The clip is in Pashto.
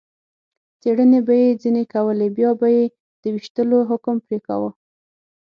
څېړنې به یې ځنې کولې، بیا به یې د وېشتلو حکم پرې کاوه.